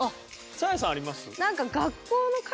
サーヤさんあります？